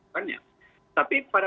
banyak tapi pada